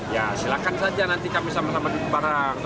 ya silakan saja nanti kami sama sama ditutup barang